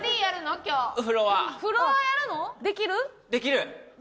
できるね！